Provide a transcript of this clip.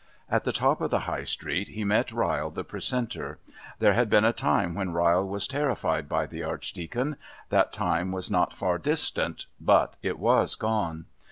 At the top of the High Street he met Ryle the Precentor. There had been a time when Ryle was terrified by the Archdeacon; that time was not far distant, but it was gone.